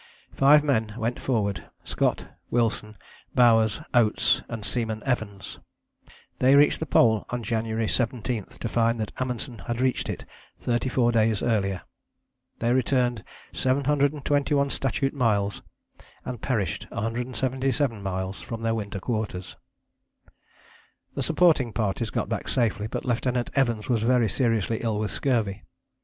Five men went forward, Scott, Wilson, Bowers, Oates and Seaman Evans. They reached the Pole on January 17 to find that Amundsen had reached it thirty four days earlier. They returned 721 statute miles and perished 177 miles from their winter quarters. The supporting parties got back safely, but Lieutenant Evans was very seriously ill with scurvy.